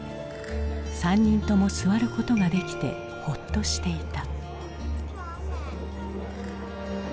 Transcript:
３人とも座ることができてホッとしていた。